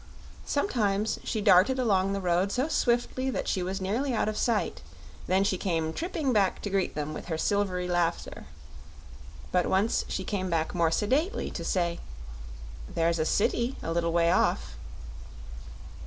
Sometimes she darted along the road so swiftly that she was nearly out of sight, then she came tripping back to greet them with her silvery laughter. But once she came back more sedately, to say: "There's a city a little way off."